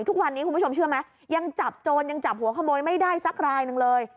ทุกวันนี้คุณผู้ชมเชื่อไหมยังจับโจรยังจับหัวขโมยไม่ได้สักรายหนึ่งเลย